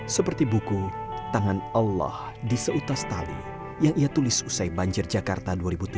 seperti buku tangan allah di seutas tali yang ia tulis usai banjir jakarta dua ribu tujuh